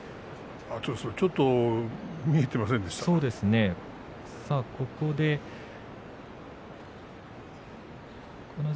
ちょっと見えていませんでした。